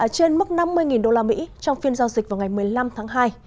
trên mức năm mươi đô la mỹ trong phiên giao dịch vào ngày một mươi năm tháng hai